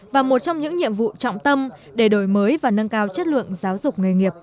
và một trong những nhiệm vụ trọng tâm để đổi mới và nâng cao chất lượng giáo dục nghề nghiệp